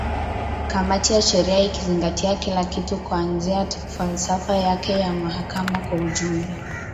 kamati ya sheria ikizingatia kila kitu kuanzia falsafa yake ya mahakama kwa ujumla